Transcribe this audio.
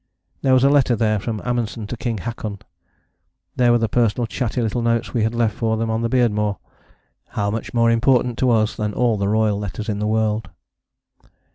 There was a letter there from Amundsen to King Haakon. There were the personal chatty little notes we had left for them on the Beardmore how much more important to us than all the royal letters in the world.